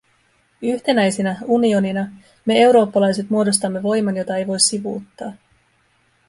Yhtenäisinä, unionina, me eurooppalaiset muodostamme voiman, jota ei voi sivuuttaa.